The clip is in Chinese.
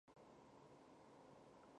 嘉庆二十年。